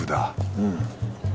うん。